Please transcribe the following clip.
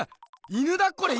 犬だこれ！